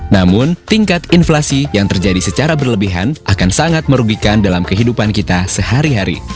namun tingkat inflasi yang terjadi secara berlebihan akan sangat merugikan dalam kehidupan kita sehari hari